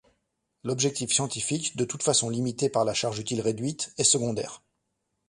L'objectif scientifique, de toute façon limité par la charge utile réduite, est secondaire.